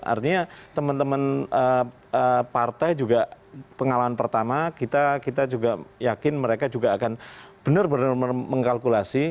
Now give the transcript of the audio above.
artinya teman teman partai juga pengalaman pertama kita juga yakin mereka juga akan benar benar mengkalkulasi